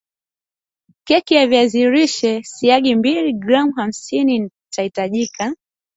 keki ya viazi lishe siagi mbili gram hamsini itahitajika